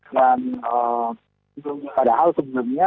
dan pada akhirnya